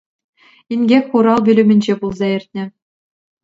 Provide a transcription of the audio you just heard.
Инкек хурал пӳлӗмӗнче пулса иртнӗ.